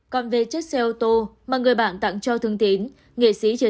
còn về chiếc xe ô tô mà người bạn tặng cho thương tín nghệ sĩ chia